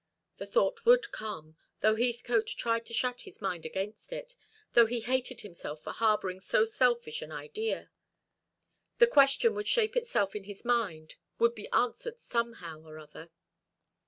The thought would come, though Heathcote tried to shut his mind against it, though he hated himself for harbouring so selfish an idea. The question would shape itself in his mind, would be answered somehow or other.